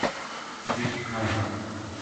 رِچھ کھائے